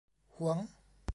หวง